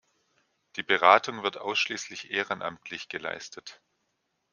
Die Beratung wird ausschließlich ehrenamtlich geleistet.